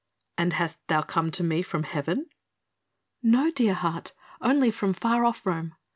And hast thou come to me from heaven?" "No, dear heart, only from far off Rome.